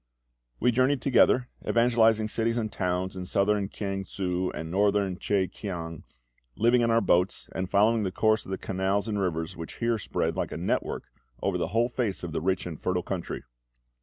We journeyed together, evangelising cities and towns in southern KIANG SU and north CHEH KIANG, living in our boats, and following the course of the canals and rivers which here spread like a network over the whole face of the rich and fertile country.